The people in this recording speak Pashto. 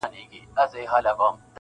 تور پنجاب پر نړېدو دی-